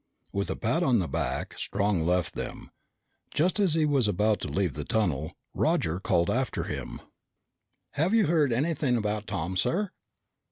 With a pat on the back, Strong left them. Just as he was about to leave the tunnel, Roger called after him: "Have you heard anything about Tom, sir?"